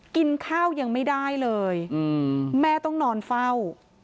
กินข้าวยังไม่ได้เลยแม่ต้องนอนเฝ้า